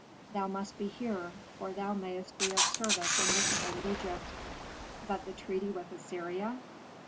"Thou must be here, for thou mayst be of service in this part of Egypt." "But the treaty with Assyria?"